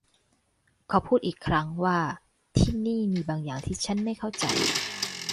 ขอพูดอีกครั้งว่าที่นี่มีบางอย่างที่ฉันไม่เข้าใจ